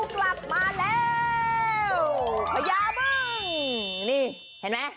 พยาบึ้งนี่เห็นไหม